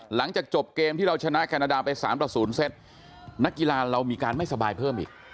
หลังจากจบเกมที่เราชนะแคนาดาไป๓ต่อ๐เซตนักกีฬาเรามีการไม่สบายเพิ่มอีก